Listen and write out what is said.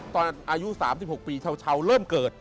ตอนอายุ๓๖ปีชาวเริ่มเกิด